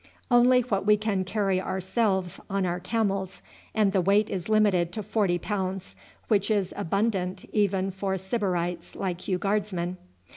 "Only what we can carry ourselves on our camels, and the weight is limited to forty pounds, which is abundant even for sybarites like you guardsmen.